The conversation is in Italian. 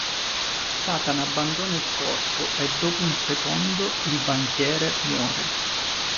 Satana abbandona il corpo e dopo un secondo, il banchiere muore.